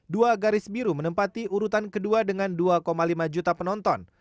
dua garis biru menempati urutan kedua dengan dua lima juta penonton